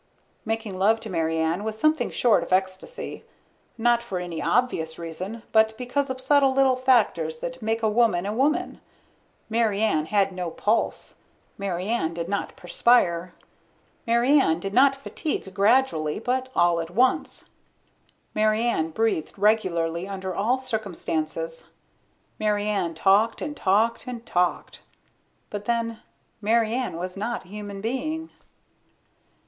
Making love to Mary Ann was something short of ecstasy. Not for any obvious reason, but because of subtle little factors that make a woman a woman. Mary Ann had no pulse. Mary Ann did not perspire. Mary Ann did not fatigue gradually but all at once. Mary Ann breathed regularly under all circumstances. Mary Ann talked and talked and talked. But then, Mary Ann was not a human being.